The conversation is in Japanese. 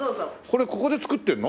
これここで作ってるの？